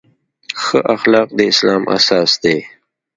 ښه اخلاق د اسلام اساس دی.